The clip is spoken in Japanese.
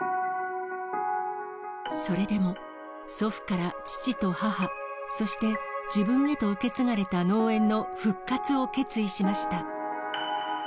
それでも、祖父から父と母、そして自分へと受け継がれた農園の復活を決意しました。